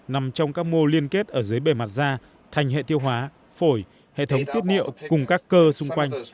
nằm trong các mô liên kết ở dưới bề mặt da thành hệ tiêu hóa phổi hệ thống tiết niệu cùng các cơ xung quanh